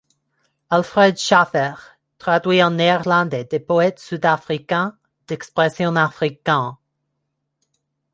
Alfred Schaffer traduit en néerlandais des poètes sud-africains d'expression afrikaans.